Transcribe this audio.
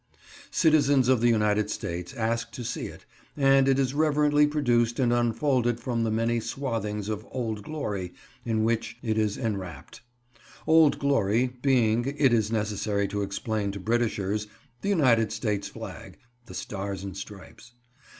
Citizens of the United States ask to see it, and it is reverently produced and unfolded from the many swathings of "Old Glory" in which it is enwrapped: "Old Glory" being, it is necessary to explain to Britishers, the United States flag, the "stars and stripes."